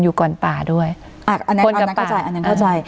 อยู่ก่อนป่าด้วยอ่าเออมันก็ใจอันนั้นเขาใจ